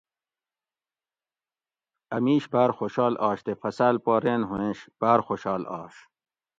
اۤ میش باۤر خوشال آش تے فصاۤل پا رین ھووینش باۤر خوشال آش